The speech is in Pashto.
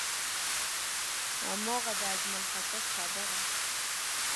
هماغه د اجمل خټک خبره.